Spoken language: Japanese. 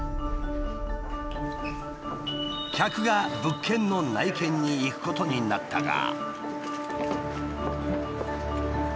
客が物件の内見に行くことになったが。